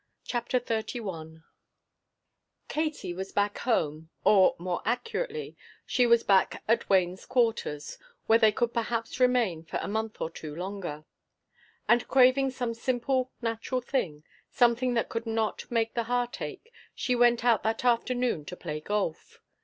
CHAPTER XXXI Katie was back home; or, more accurately, she was back at Wayne's quarters, where they could perhaps remain for a month or two longer. And craving some simple, natural thing, something that could not make the heart ache, she went out that afternoon to play golf.